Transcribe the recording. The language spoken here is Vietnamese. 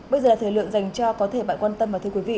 bây giờ là thời lượng dành cho có thể bạn quan tâm và thưa quý vị